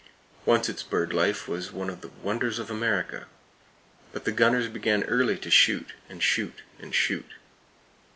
Once its bird life was one of the wonders of America. But the gunners began early to shoot, and shoot, and shoot.